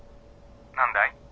「何だい？」。